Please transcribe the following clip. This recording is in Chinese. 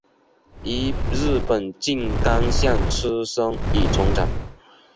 于日本静冈县出生与成长。